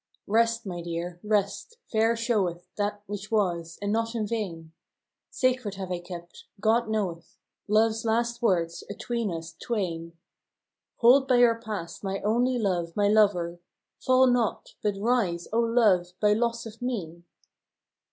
Rest, my dear, rest. Fair showeth That which was, and not in vain Sacred have I kept, God knoweth, Love's last words atween us twain. " Hold by our past, my only love, my lover; Fall not, but rise, O love, by loss of me!